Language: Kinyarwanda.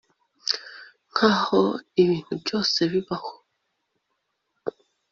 nkaho ibintu byose bibaho